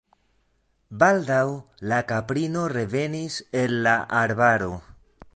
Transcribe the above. Baldaŭ la kaprino revenis el la arbaro.